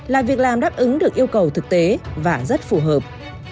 là việc làm đáp ứng được yêu cầu thực tế và rất phù hợp